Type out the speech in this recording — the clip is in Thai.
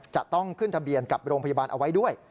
จะต้องขึ้นทะเบียนกับโรงพยาบาลเอาไว้ด้วย